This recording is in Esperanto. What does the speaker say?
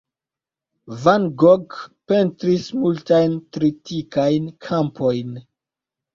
Van Gogh pentris multajn tritikajn kampojn.